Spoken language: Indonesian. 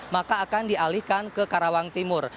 maka akan dialihkan ke karawang timur